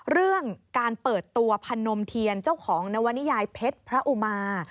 เรื่องการเปิดตัวพนมเทียนเจ้าของนวนิยายเพชรพระอุมา